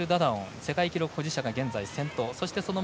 世界記録保持者が現在先頭。